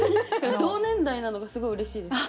同年代なのがすごいうれしいです。